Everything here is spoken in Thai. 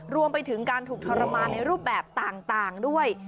รวมไปถึงการถูกทรมานในรูปแบบต่างด้วย